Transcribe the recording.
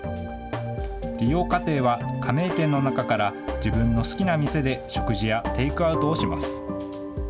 利用家庭は、加盟店の中から自分の好きな店で食事やテイクアウトをします。